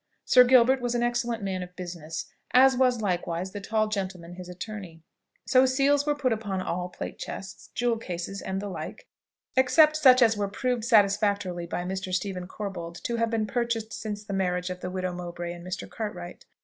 Sir Gilbert was an excellent man of business, as was likewise the tall gentleman his attorney; so seals were put upon all plate chests, jewel cases, and the like, except such as were proved satisfactorily by Mr. Stephen Corbold to have been purchased since the marriage of the widow Mowbray and Mr. Cartwright.